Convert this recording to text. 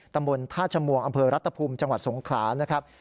ตำบลท่าชมวงอำเภอรัตภูมิจังหวัดสงขลานะครับ